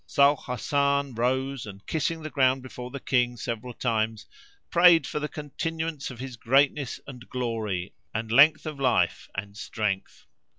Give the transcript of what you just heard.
So Hasan rose and, kissing the ground before the King several times, prayed for the continuance of his greatness and glory and length of life and strength.